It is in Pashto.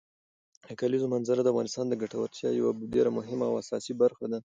د کلیزو منظره د افغانانو د ګټورتیا یوه ډېره مهمه او اساسي برخه ده.